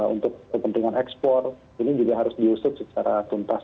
untuk kepentingan ekspor ini juga harus diusut secara tuntas